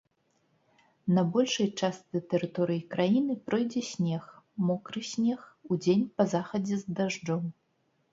На большай частцы тэрыторыі краіны пройдзе снег, мокры снег, удзень па захадзе з дажджом.